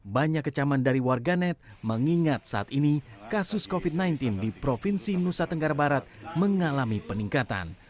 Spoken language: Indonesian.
banyak kecaman dari warganet mengingat saat ini kasus covid sembilan belas di provinsi nusa tenggara barat mengalami peningkatan